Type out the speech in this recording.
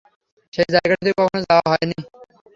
সেই জায়গাটিতে কখনো যাওয়া হয়নি।